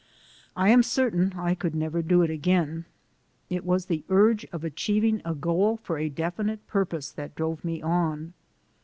I am certain I could never do it again ! It was the urge of achieving a goal for a definite purpose that drove me on.